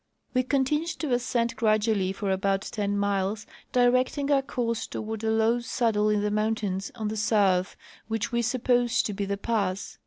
We continued to ascend gradually for about ten miles, directing our course toward a low saddle in the mountains on the south which we supposed to be the pass.